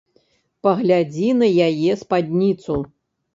Паглядзі на яе спадніцу.